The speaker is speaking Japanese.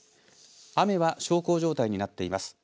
雨は小康状態になっています。